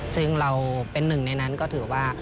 ซึ่งเราเป็นหนึ่งในนั้นก็ถือว่า